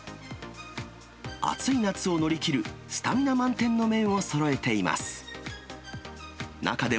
暑い夏を乗り切る、スタミナ満点の麺をそろえています。